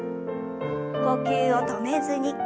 呼吸を止めずに。